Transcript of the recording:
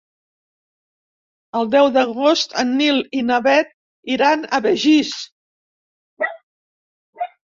El deu d'agost en Nil i na Bet iran a Begís.